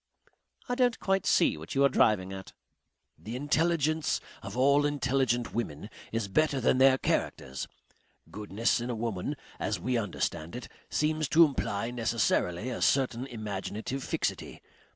"I don't quite see what you are driving at." "The intelligence of all intelligent women is better than their characters. Goodness in a woman, as we understand it, seems to imply necessarily a certain imaginative fixity.